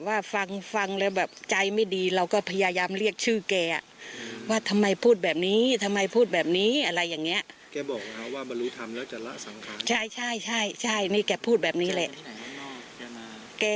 ไม่ใช่ไม่ดีเราก็พยายามเรียกชื่อแกว่าทำไมพูดแบบนี้ทำไมพูดแบบนี้อะไรอย่างนี้แกบอกว่าบรรลุธรรมแล้วจะละสำคัญใช่ใช่ใช่ใช่นี่แกพูดแบบนี้แหละ